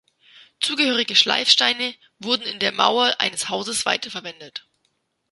Zugehörige Schleifsteine wurden in der Mauer eines Hauses weiterverwendet.